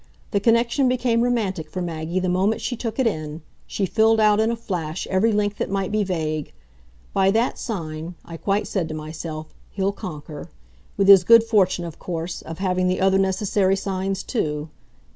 The connection became romantic for Maggie the moment she took it in; she filled out, in a flash, every link that might be vague. 'By that sign,' I quite said to myself, 'he'll conquer' with his good fortune, of course, of having the other necessary signs too.